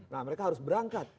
nah mereka harus berangkat